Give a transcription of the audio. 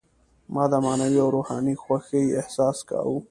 ما د معنوي او روحاني خوښۍ احساس کاوه.